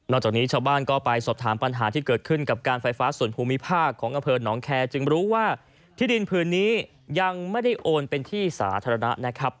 จากนี้ชาวบ้านก็ไปสอบถามปัญหาที่เกิดขึ้นกับการไฟฟ้าส่วนภูมิภาคของอำเภอหนองแคร์จึงรู้ว่าที่ดินผืนนี้ยังไม่ได้โอนเป็นที่สาธารณะนะครับ